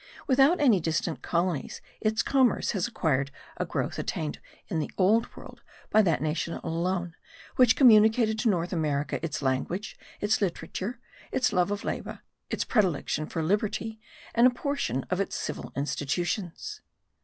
Without any distant colonies, its commerce has acquired a growth attained in the old world by that nation alone which communicated to North America its language, its literature, its love of labour, its predilection for liberty, and a portion of its civil institutions.